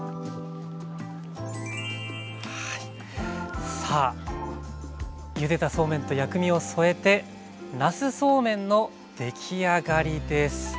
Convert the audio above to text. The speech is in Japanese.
はいさあゆでたそうめんと薬味を添えて出来上がりです。